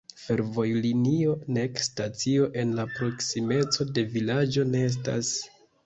Fervojlinio nek stacio en la proksimeco de vilaĝo ne estas.